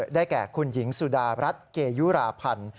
ได้แก่คุณหญิงสุดารัฐเกยุราพันธ์